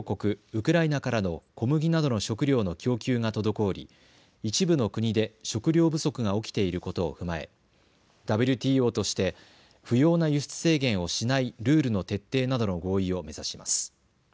ウクライナからの小麦などの食料の供給が滞り一部の国で食料不足が起きていることを踏まえＷＴＯとして不要な輸出制限をしないルールの徹底などの合意を目指します。